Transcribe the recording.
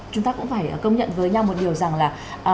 chúng ta cũng phải công nhận với nhau một điều rằng là